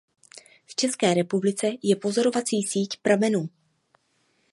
V České republice je pozorovací síť pramenů.